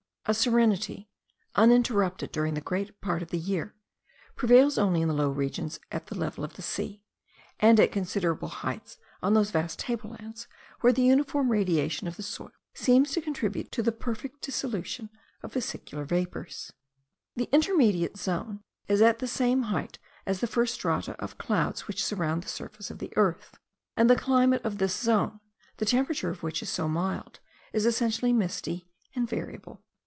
A serenity, uninterrupted during a great part of the year, prevails only in the low regions at the level of the sea, and at considerable heights on those vast table lands, where the uniform radiation of the soil seems to contribute to the perfect dissolution of vesicular vapours. The intermediate zone is at the same height as the first strata of clouds which surround the surface of the earth; and the climate of this zone, the temperature of which is so mild, is essentially misty and variable.